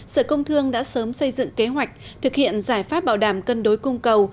sở công thương đã sớm xây dựng kế hoạch thực hiện giải pháp bảo đảm cân đối cung cầu